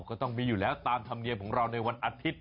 ก็ต้องมีอยู่แล้วตามธรรมเนียมของเราในวันอาทิตย